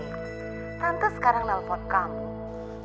gini nih tante sekarang nelfon kamu